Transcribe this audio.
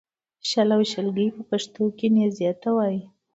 شل او شلګی په پښتو کې نېزې ته وایې